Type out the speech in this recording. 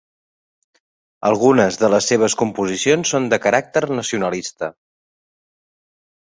Algunes de les seves composicions són de caràcter nacionalista.